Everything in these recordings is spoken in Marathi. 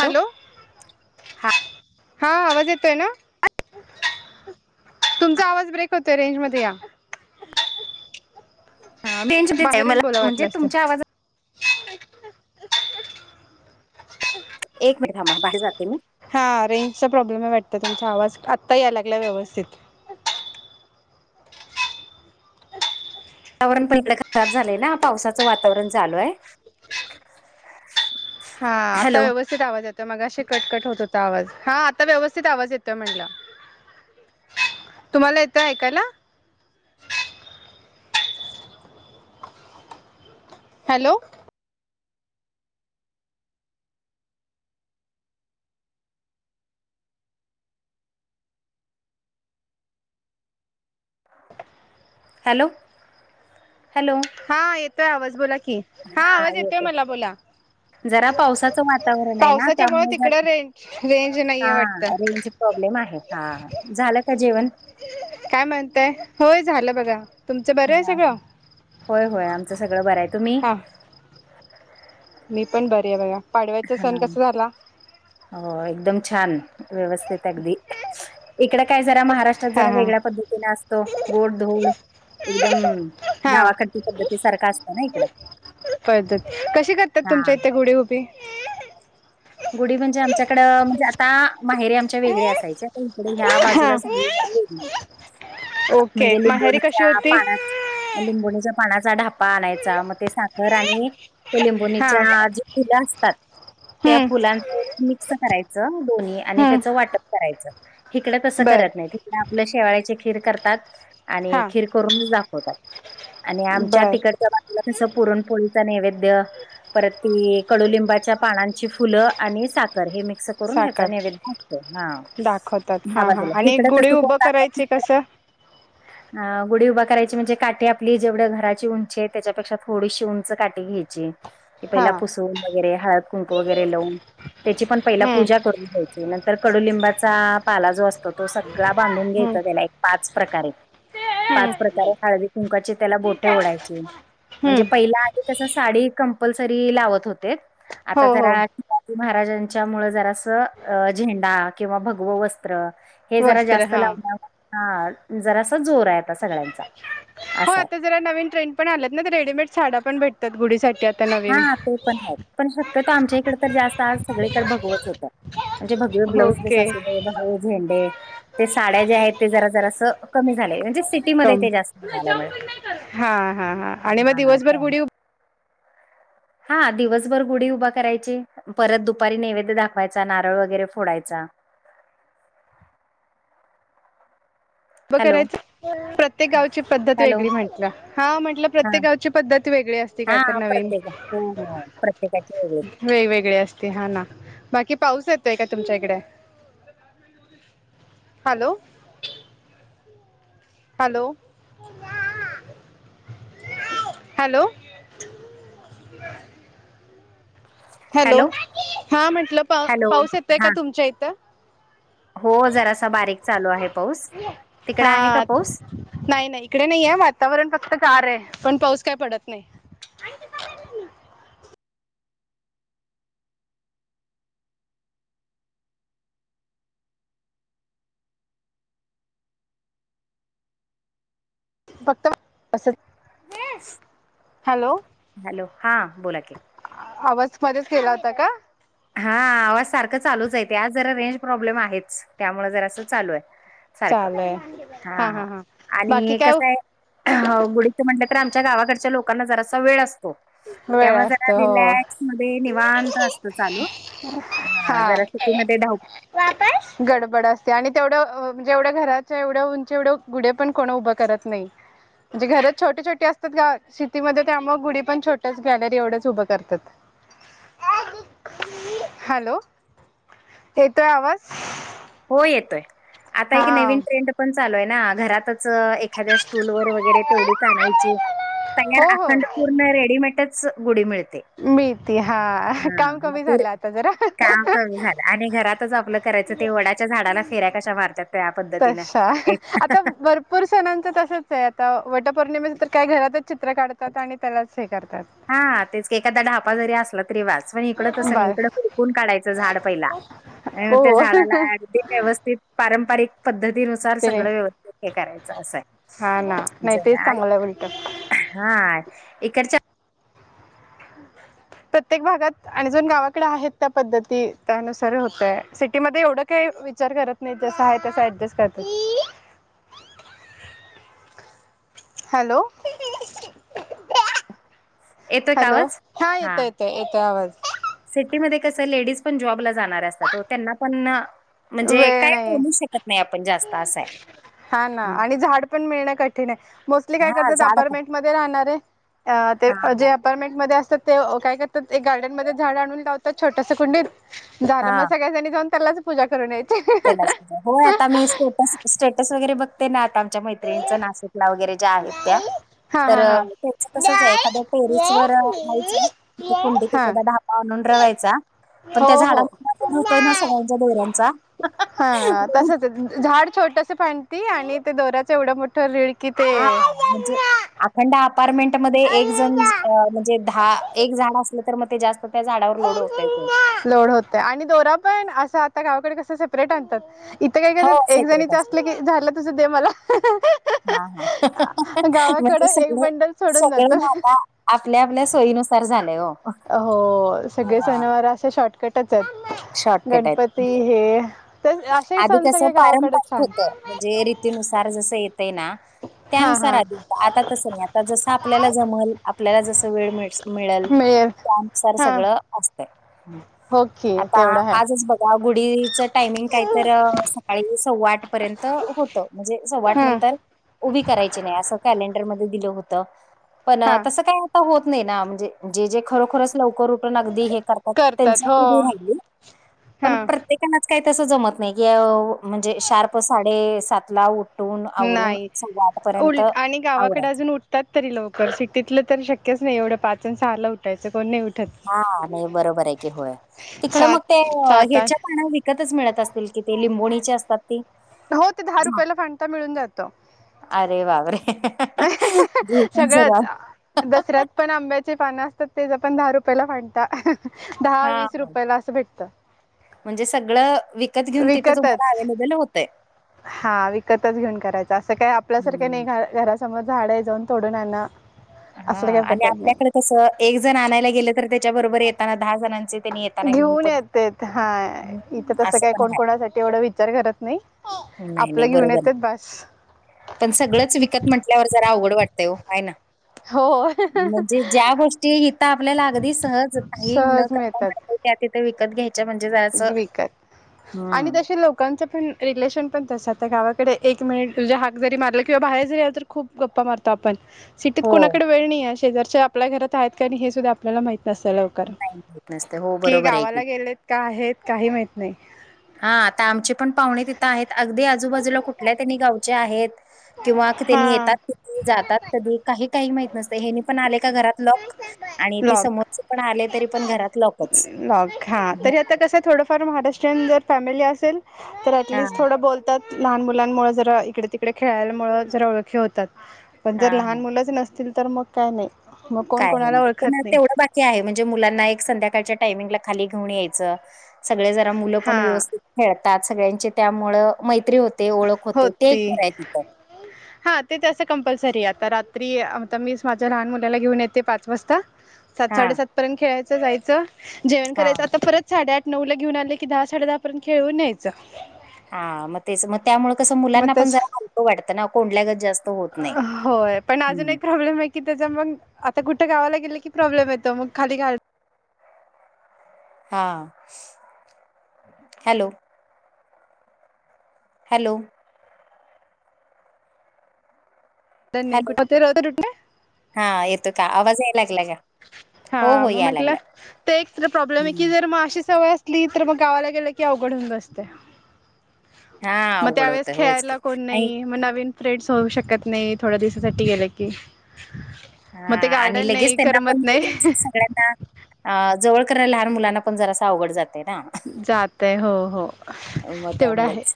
हॅलो, हां आवाज येतोय ना? तुमचा आवाज ब्रेक होतोय रेंज मध्ये या. हा रेंजमध्येच आहे बाहेर येवून मला बोला म्हणजे वाटल्यास्त. तुमच्या आवाजात एक मिनिट थांबा, बाहेर जाते मी. हा रेंजचा प्रॉब्लेम आहे वाटतं, तुमचा आवाज आत्ता याय- लागला व्यवस्थित. वातावरण पण इकडं खराब झालंय ना, पावसाचं वातावरण चालू हाय. हा, आता व्यव स्थित आवाज येतोय मगाशी कट-कट होत होता आवाज, हा आता व्यवस्थित आवाज येतोय म्हणलं. तुम्हाला येतय ऐकायला? हॅलो. [inaudible] Hello, hello? हा येतोय आवाज बोला की, हा आवाज येतोय मला बोला. जरा पावसाचं वातावरण हाय ना पावसाच्यामुळे त्यामुळे झालं, तिकडं रेंज रेंज नाहीये हा वाटतं रेंज प्रॉब्लेम आहे. हा. झालं का जेवण? काय म्हणते? होय झालं बघा, तुमचं बरं हे सगळं? होय-होय आमचं सगळं बरं हाय. तुम्ही? हा मी पण बरी हे बघा, पाडव्याचा हा सण कसा झाला? हो एकदम छान, व्यवस्थित अगदी. इकडं काय जरा महारा ष्ट्रात हा जरा हा वेगळ्या पद्धतीने असतो, गोड-धोड एकदम हा गावाकडची पद्धती सारखं असतं ना इकडं. पद्धत, कशी करत्यात हा तुमच्या इथे गुडी उभी? गुढी म्हणजे आमच्याकडं, म्हणजे आता माहेरी आमच्या वेगळे असायच्या इकडे ह्या हा बाजूला सांगली जरा वेगळी ओके म्हणजे माहेरी कशी लिंबोनीच्या होती पानात लिंबोणीच्या पानाचा ढापा आणायचा, मग ते साखर आणि हा लिंबोणीच्या जी फूल असतात. त्या हम्म फुलांच मिक्स करायच दोन्ही आणि त्याच हम्म वाटण. करायच हिकड तस बर करत नाही हिकड आपल शेवयांची खीर करतात. आणि हा खीर करून दाखवतात आणि आमच्या बर तिकडचा आपला कसा पुरणपोळीचा नैवेद्य परत ती कडुलिंबाच्या पानां ची फुल आणि साखर हे मिक्स करून ह्याचा साखर नेवैद्य दाखवतात हां दाखवतात ह्या हा हा बाजूला आणि इकड तस गुढी कोण उभं दाखवतच करायची कसं [unintelligible] [inaudible] गुढी उभा करायची म्हणजे काठी आपली जेवढ्या घराची उंची आहे त्याच्यापेक्षा थोडीशी उंच काठी घ्यायची. की हा पहिला पुसून वगैरे हळदकुंकु वगैरे लावून त्याची पण पहिला हम्म पूजा करून घ्या. नंतर कडुलिंबाचा पाला जो असतो तो सगळा बांधून हम्म घ्यायचा त्याला एक पाच प्रकारे. पाच हम्म प्रकारे हळदी कुंकाची त्याला बोटे ओढायची. म्हणजे हम्म पहिला आधी कस साडी कंपल्सरी लावत होते. हो आता हो जरा शिवाजी महाराजांच्या मुळ जरास झेंडा किंवा भगव वस्त्र. हे जरा वस्त्र जास्त हा लावण हां जरासा जोर आहे आता सगळ्यांचा. हो असा आहे. आता जरा नवीन ट्रेड पण आल्यात ना तर रेडीमेड साडा पण भेटतात गुढीसाठी. नवीन. हा ते पण आहेत पण शक्यतो आमच्या इकडे तर जास्त आज सगळीकडे भगवच होत. म्हणजे भगवे ब्लाउज पीस ओके. अस [unintelligible] झेंडे ते साड्या जे आहेत ते जरा जरास कमी झालय म्हणजे सिटीमध्ये कम ते जास्त झाल्यामुळ. हा हा हा आणि मग दिवसभर गुढी उभं हा दिवसभर गुढी उभा करायची परत दुपारी नैवेद्य दाखवायचा नारळ वगैरे फोडायचा. उभ हॅलो करायच प्रत्येक गावची पद्धत हॅलो वेगळी म्हंटल हां म्हंटल हा प्रत्येक गावची पद्धत वेगळी असते. काय हा तर नवीन प्रत्येका प्रत्येकाची वेगळी. वेगवेगळी असते हा ना. बाकी पाऊस येतोय का तुमच्या इकड? हॅलो हॅलो हॅलो हॅलो हा म्हटल पा हॅलो पाऊस येतोय का हा तुमच्या इथ? हो जरासा बारीक चालू आहे पाऊस तिकड आहे का हा पाऊस? नाही नाही इकडे नाहीये वातावरण फक्त गार आहे पण पाऊस काय पडत नाही. फक्त बस [unintelligible] हॅलो हा बोला की आवाज परत गेला होता का? हां आवाज सारखा चालूच आहे ते आज जरा रेंज प्रॉब्लेम आहेच त्यामुळे जरा चालू आहे. सारख चालय हा आणि कसय. म्हंटल तर आमच्या गावाकडच्या लोकांना जरासा वेळ असतो. वेळ त्यामुळे जरा असतो हो रिलॅक्स मध्ये निवांत असतात. चालू हा जरा सिटीमध्ये धावपळ गडबड असते आणि तेवढ जेवढ्या घराच्या एवढ उंच एवढ गुडीपण कोण उभ करत नाही. म्हणजे घर छोटी छोटी असतात सिटीमध्ये त्यामुळ गुडी पण छोटी. च गॅलरी एवढच उभ करतात. हॅलो येतोय आवाज? हो येतोय आता एक हा नवीन ट्रेंड. पण चालूय ना घरातच एखाद्या स्टूल वर वगैरे तेवढीच आणायची. हो तयार हो अखंड पूर्ण रेडीमेंटच गुढी मिळते. मिळती हा हां काम मग कमी तर झालं आता जरा कामच झाल आणि घरातच आपल करायच. ते वडाच्या झाडाला फिऱ्या कशा मारतात त्या पद्धतीनं एक. पूर सणांचं तसंचे आता. वटपौर्णिमेच तर काय घरातच चित्र काढतात. आणि त्यालाच हे करतात. हा तेच की, एखादा ढापजरी असला तरी वाच. पण इकडं तसं नाही. इकडं बस खुरपून काढायचं झाड पहिला. त्या ओ झाडाला अगदी व्यवस्थित पारंपरिक पद्धतीन नुसार तिने सगळ व्यवस्थित हे करायचं असंय. हा ना नाही तेच चांगलं उलट हा इकडच्या प्रत्येक भागात. अजून गावाकडे आहेत त्या पद्धती. त्यानुसार होतय. सिटीमध्ये एवढं काही विचार करत नाही. जस आहे तस ऍडजस्ट करत्यात. हॅलो. येतोय का हॅलो. आवाज हा येतो येतो. येतोय आवाज. सिटीमध्येध्ये कसं लेडीज पण जॉबला जाणार असतात हो. त्यांना पण म्हणजे वेळ काय नाही बोलू शकत नाही आपण जास्त असंय. हा ना. आणि झाड पण मिळणं कठीणे. मोस्टली काय हा करतात. झाड पण अपारमेंट मध्ये राहणारे अ ते हा जे आप अपार्टमेंट मध्ये असतात ते काय करतात. एक गार्डन मध्ये झाड आणून लावतात छोटसं कुंडीत. झालं मग हा सगळ्याजणी जाऊन त्यालाच पूजा करून यायची. त्यालाच. होय आता मी स्टेटस स्टेटस वगैरे बघते ना आता आमच्या मैत्रीणींच. नाशिकला वगैरे ज्या आहेत त्या. हा तर हा हा तेनच तसचे. एखाद्या टेरेस वर जायचंय कुंडीत हा एखादा आणून रवायचा. पण त्या हो झाडाला हो होतोय प्रॉब्लेम होतोना सगळ्यांच्या दोऱ्यांचा. हा तसचे. झाड छोटस फांन्टी आणि ते दोरा्याच एवढं मोठं रिळकीत हा म्हणजे अखंड अपार्टमेंट मध्ये एक जण म्हणजे दहा एक झाड असले. तर मग ते जास्त त्या झाडावर लोड होतय ते. लोड होते. आणि दोरा पण असं आता गावाकडे कस सेपरेट आणतात. इथं कय हो करतात. एक सेपरेट जणीचं असत असलं की झालं तुझ दे मला. हा हा. म्हणजे गावाकडं एक सगळे बंडल सोडून सगळं जातो. ना आता आपल्या आपल्या सोयीनुसार झालंय हो. हो सगळे हा सणवार असे शॉर्टकटचे. शॉर्टकट आहेत गणपती हे. असेही आधी सण कसं सगळे गावाकडेच पारंपरिक छान. होतं म्हणजे रीतीनुसार जस येत ना? हा त्यानुसार हा आधी. आता तसं नाही. आता जसं आपल्याला जमल आपल्याला जस वेळ मि मिळेल. त्यानुसार हा सगळं असतय. ओके आता तेवढं आहे. आजच बघ या गुढीचं टायमिंग काय तर सकाळी सव्वा आठ पर्यंत होतं. म्हणजे सव आट हम्म नंतर उभी करायची नाही असं कॅलेंडर मध्ये दिलं होत. पण हा तसं काही आता होत नाही ना. म्हणजे जे जे खरोखरच लवकर उठ ठून अगदी हे करतात. तेन गुढी राहीली. हा पण प्रत्येकानच काय तस जमत नाही. की म्हणजे शार्प साडे सातला उ ठून आवरून नाही सव्वा आठ पर्यंत आवरा. तात तरी लवकर. सिटीतलं तेन शक्यच नाही. एवढं पाचन सहा ला उठायचं. कोण नाही उठत. हा नाही बरोबरे की होय. तिकड सात मग ते सात आठ ह्याच्या पाना विकतच मिळत असतील की. ते लिंबोणीचे असतात. ती. हो ते दहा हां. रुपयाला फांठा मिळून जातो. अरे बापरे. सगळाच. दासऱ्यात पण आंब्याचे पान असतात तेच आपण दहा रुपयाला फांडत. दहा हा वीस रुपयाला असं भेटतं. म्हणजे सगळं विकत घेऊन तिथं तुम्हाला विकतच अव्लेबल होतंय. हा विकतच घेऊन करायचं असं काय आपल्यासारखं नाही घरासमोर झाड जाऊन तोडून आणा. हा असलं काही आणि प्रकार आपल्याकडे नाही कसं एक जण आणायला गेलं तर त्याच्या बरोबर येताना दहा जणांचे त्यांनी येताना घेऊन पण येतेेत हा हं, इथं तसं असं काय पण कोणकोणासाठी एवढा विचार करत नाही. नाही आपलं नाही घेऊन बरोबर आहे. येतात बस. पण सगळंच विकत म्हटल्यावर जरा अवघड वाटतंय हो हाय ना हो म्हणजे ज्या हिता आपल्याला अगदी सहज काही न सहज करता मिळतात म्हणते त्या तिथे विकत घ्यायला. विकत आणि हम्म. तशी आमचं पण रिलेशन पण तसं गावाकडे एक मिनिट तुझ्या हाक जरी मारला किंवा बाहेर जरी असेल खूप गप्पा मारतो आपण सिटीत हो. कोणाकडे वेळ नाही आहे शेजारच्या आपल्या घरात आहेत का? हे सुद्धा आपल्याला माहित नसतं अग नाही माहित नसते हो की बरोबर आहे की. गावाला गेलेत का आहेत काही माहित नाही. हा आता आमची पण पाहुणे तिथं आहेत अगदी आजूबाजूला कुठल्या त्यांनी गावचे आहेत. किंवा त्यांनी हां येतात कधी जातात कधी काही काही माहित नसते हेनी पण आले का घरात लॉक आणि ते लॉक समोरच पण आले तरी पण घरात लॉकच. तसं थोडं फार महाराष्ट्रीयन जर फॅमिली असेल हां, ऍटलिस्ट थोडं बोलते लहान मुलांमुळे जरा इकडे तिकडे खेळायमुळे जरा ओळखी होतात. पण जर हां. लहान मुलंच नसतील तर मग काय नाही. मग कोण काय कोणाला आहे पण ओळखत नाही तेवढं बाकी आहे म्हणजे मुलांना एक संध्याकाळच्या टायमिंगला खाली घेऊन यायचं. सगळे जरा मुलं पण हां व्यवस्थित खेळतात सगळ्यांचे त्यामुळ मैत्री होते. ते ओळख होते ते होती खरं हाय तिथं. हा ते तस कंपल्सरी आहे आता रात्री आता मी माझ्या लहान मुलाला घेऊन येते पाच वाजता सात हां, साडेसात पर्यंत खेळायचं जायचं जेवण करायचं हां, आता परत साडेआठ नऊ ला घेऊन आले की दहा साडे दहापर्यंत खेळू यायचं. हा मग तेच मग त्यामुळे कसं मग मुलांना पण तस जरा हलकं वाटतं ना कोंडल्यागच जास्त होत नाही. होय पण अजून हं. एक प्रॉब्लेम आहे त्याचा मग आता कुठे गावाला गेलं की प्रॉब्लेम येतो मग खाली हां हॅलो, हॅलो [unintelligible] हा येतो का आवाज यायला लागला. हो, हा हो, मग यायला म्हटलं लागला. तर एक तर प्रॉब्लेम आहे हं. की जर मग अशी सवय असली तर मग गावाला गेलं की अवघडहून बसते. हां, मग अवघड त्यावेेळेस होतं. होयच की खेळायला कोण आणि नाही मग नवीन फ्रेंड्स होऊ शकत नाही थोड्या दिवसासाठी गेलं कि हा आणि लगेच त्यांना पण लगेच [unintelligible] सगळ्यांना जवळ करायला लहान मुलांना पण जरा आवघड जाते ना. जातय हो हो मग तेवढं आहे. त्यामुळेच.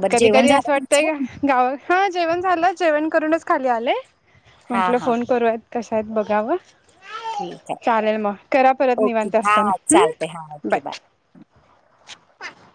बरं कधी जेवण कधी झालं असं वाटतंय का तुमचं? गाव हां जेवण झालं जेवण करूनच खाली आले हां, म्हटलं हां. फोन करूयात. कश्या आहेत बघावं ठीक आहे. चालेल मग करा परत ओके. निवांत हां, असताना चालतंय. हां, हम्म ओके. बाय